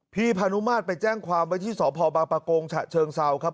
พี่พานุมาตรไปแจ้งความว่าที่สบปกรงเชิงเซาครับ